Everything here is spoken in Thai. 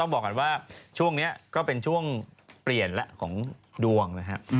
บอกก่อนว่าช่วงนี้ก็เป็นช่วงเปลี่ยนแล้วของดวงนะครับ